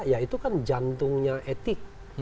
ya itu kan jantungnya etik